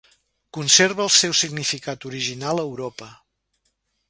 Conserva el seu significat original a Europa.